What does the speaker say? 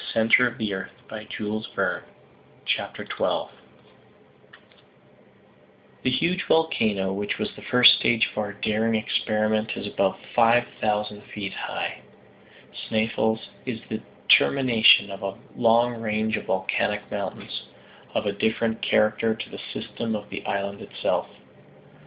CHAPTER 12 THE ASCENT OF MOUNT SNEFFELS The huge volcano which was the first stage of our daring experiment is above five thousand feet high. Sneffels is the termination of a long range of volcanic mountains, of a different character to the system of the island itself.